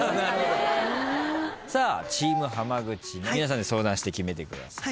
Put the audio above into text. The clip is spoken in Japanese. さあチーム浜口の皆さんで相談して決めてください。